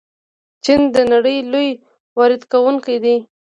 چین د نړۍ لوی واردونکی دی.